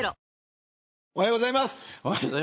おはようございます。